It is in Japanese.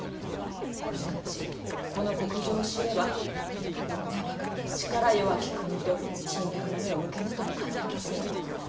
万が一この国情を知れば女ばかりの力弱き国と侵略の目を向けぬとも限りませぬ。